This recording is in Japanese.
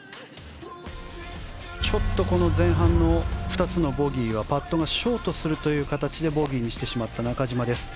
ちょっと前半の２つのボギーはパットがショートする形でボギーにしてしまった中島です。